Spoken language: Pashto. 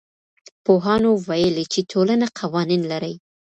پوهانو ويلي چي ټولنه قوانين لري.